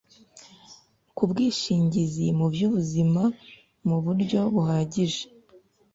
k’ubwishingizi mu by’ubuzima mu buryo buhagije;